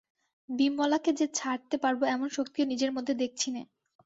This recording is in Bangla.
বিমলাকে যে ছাড়তে পারব এমন শক্তিও নিজের মধ্যে দেখছি নে।